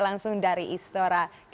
langsung dari istora gbk